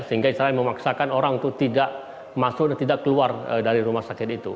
sehingga israel memaksakan orang untuk tidak masuk dan tidak keluar dari rumah sakit itu